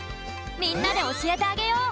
みんなでおしえてあげよう。